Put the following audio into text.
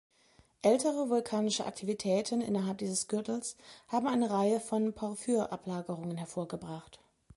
Ältere vulkanische Aktivitäten innerhalb dieses Gürtels haben eine Reihe von Porphyrablagerungen hervorgebracht.